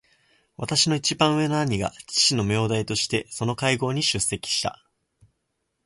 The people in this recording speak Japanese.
私の一番上の兄が父の名代としてその会合に出席した。